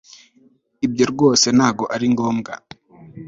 ibyo rwose ntabwo ari ngombwa